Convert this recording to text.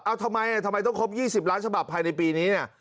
เอาทำไมทำไมต้องครบ๒๐ล้านฉบับภายในปีนี้เนี่ย